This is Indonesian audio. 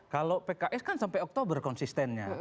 kalau pks kan sampai oktober konsistennya